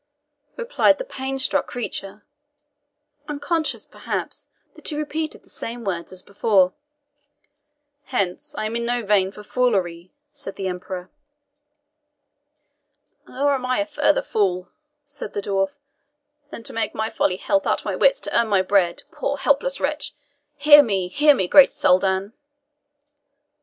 replied the panic struck creature, unconscious, perhaps, that he repeated the same words as before. "Hence, I am in no vein for foolery," said the Emperor. "Nor am I further fool," said the dwarf, "than to make my folly help out my wits to earn my bread, poor, helpless wretch! Hear, hear me, great Soldan!"